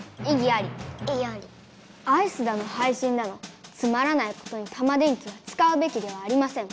アイスだのはいしんだのつまらないことにタマ電Ｑはつかうべきではありません。